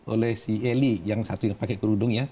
oleh si eli yang satu yang pakai kerudung ya